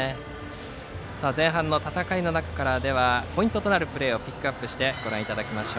前半の戦いの中からポイントとなるプレーをピックアップしてご覧いただきます。